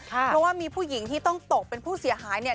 เพราะว่ามีผู้หญิงที่ต้องตกเป็นผู้เสียหายเนี่ย